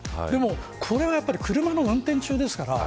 これはやっぱり車の運転中ですから。